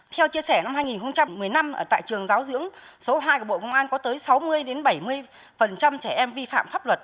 theo chia sẻ năm hai nghìn một mươi năm tại trường giáo dưỡng số hai của bộ công an có tới sáu mươi bảy mươi trẻ em vi phạm pháp luật